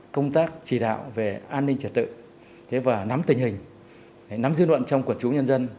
công tác chỉ đạo về an ninh trật tự và nắm tình hình nắm dư luận trong quần chúng nhân dân